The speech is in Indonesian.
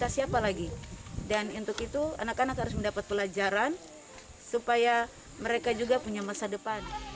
supaya mereka juga punya masa depan